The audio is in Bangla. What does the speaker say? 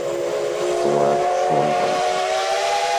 তোমার ফোন বন্ধ।